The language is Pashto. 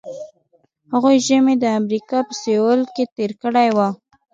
هغوی ژمی د امریکا په سویل کې تیر کړی وي